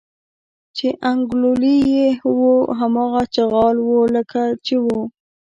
چې انګوللي یې وو هماغه چغال و لکه وو چې.